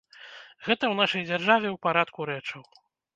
Гэта ў нашай дзяржаве ў парадку рэчаў.